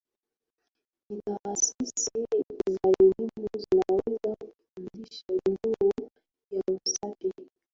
Ni taasisi za elimu zinaweza kufundisha juu ya usafi